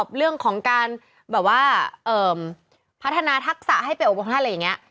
แบบการพัฒนาทักษะเล่นแบบนี้